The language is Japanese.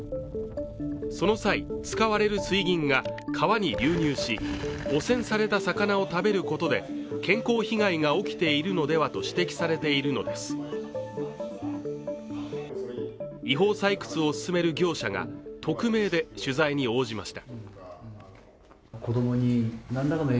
その際使われる水銀が川に流入し汚染された魚を食べることで健康被害が起きているのではと指摘されているのです違法採掘を進める業者が匿名で取材に応じました